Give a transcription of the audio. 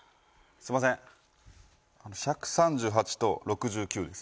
すいません１３８と６９です